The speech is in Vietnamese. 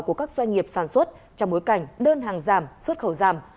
của các doanh nghiệp sản xuất trong bối cảnh đơn hàng giảm xuất khẩu giảm